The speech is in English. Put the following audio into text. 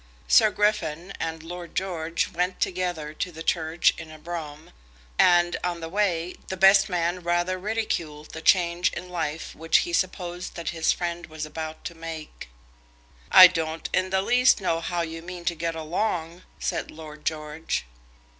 Sir Griffin and Lord George went together to the church in a brougham, and, on the way, the best man rather ridiculed the change in life which he supposed that his friend was about to make. "I don't in the least know how you mean to get along," said Lord George.